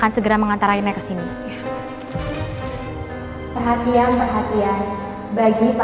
sampai jumpa di video selanjutnya